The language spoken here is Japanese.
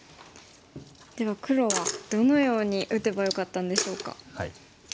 では黒はどのように打てばよかったんでしょうか。